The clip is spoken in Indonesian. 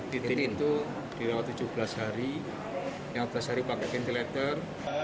di tim itu dirawat tujuh belas hari tujuh belas hari pakai ventilator